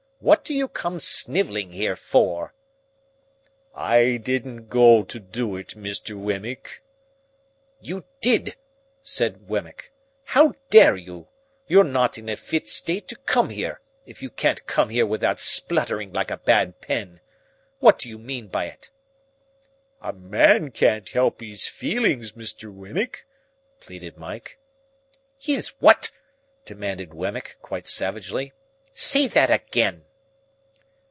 "What do you come snivelling here for?" "I didn't go to do it, Mr. Wemmick." "You did," said Wemmick. "How dare you? You're not in a fit state to come here, if you can't come here without spluttering like a bad pen. What do you mean by it?" "A man can't help his feelings, Mr. Wemmick," pleaded Mike. "His what?" demanded Wemmick, quite savagely. "Say that again!"